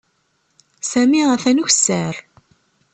Sami atan ukessar.